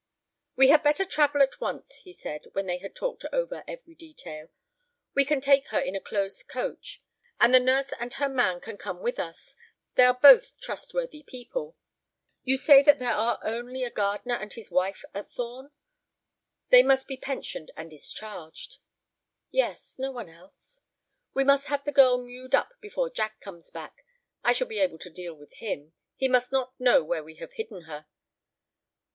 "We had better travel at once," he said, when they had talked over every detail; "we can take her in a closed coach. And the nurse and her man can come with us; they are both trustworthy people. You say that there are only a gardener and his wife at Thorn? They must be pensioned and discharged." "Yes, no one else." "We must have the girl mewed up before Jack comes back. I shall be able to deal with him. He must not know where we have hidden her."